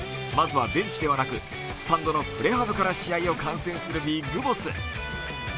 まずはベンチではなくスタンドのプレハブから試合を観戦するビッグボス。